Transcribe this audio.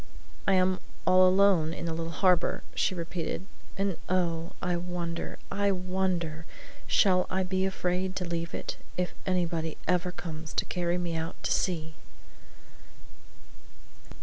"I am all alone in the little harbor," she repeated; "and oh, I wonder, I wonder, shall I be afraid to leave it, if anybody ever comes to carry me out to sea!"